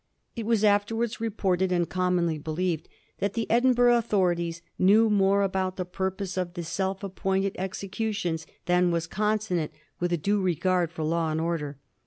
It was afterwards re ported and commonly believed that the Edinburgh au thorities knew more about the purpose of the self ap pointed executions than was consonant with a due regard for law and order.